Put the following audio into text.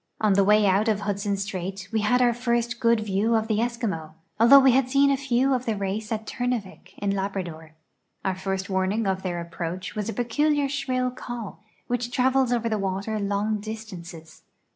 On the way out of Hudson strait we had our lirst good view of tlie Eskimo, although we had seen a few of the race at Turn avik, in Lal)rador. Our first warning of their approacli was a peculiar slirill call, wliidi tiavels over the water long distances.